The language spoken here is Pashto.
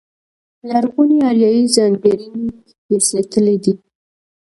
لرغونې اریایي ځانګړنې یې ساتلې دي.